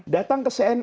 datang ke cnn